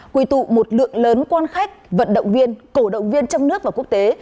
quỳ tụ một lượng lớn quan khách vận động viên cổ động viên trong nước và quốc tế